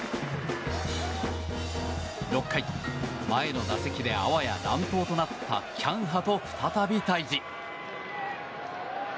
６回、前の打席にあわや乱闘となったキャンハと再び対峙。